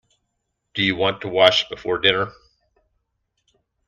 Do you want to wash before dinner?